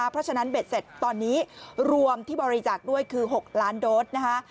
เพราะฉะนั้นเบ็ดเสร็จตอนนี้รวมที่บริจาคด้วยคือ๖ล้านโดสนะคะ